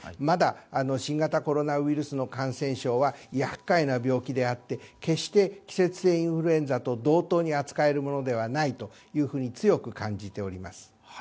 まだ新型コロナウイルスの感染症は厄介な病気であって決して季節性インフルエンザと同等に扱えるものではないと強く感じております。